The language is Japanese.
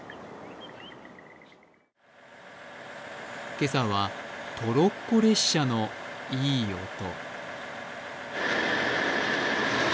今朝はトロッコ列車のいい音。